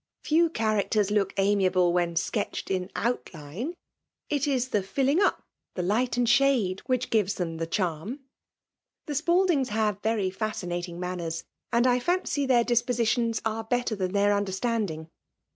*' Few characters look amiable when sketched in outline, — it is the filling np, the light and shade, which gires them the charm. The Spal dings have very fascinating manners, and I fimcy their cEspositions are better than their understanding.